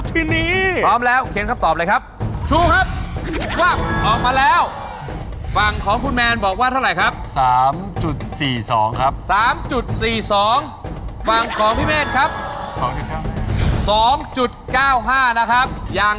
เทคนิคของมูลเหลือง